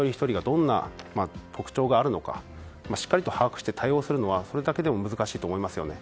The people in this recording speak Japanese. どんな特徴があるのかしっかりと把握して対応するのはそれだけでも難しいと思いますよね。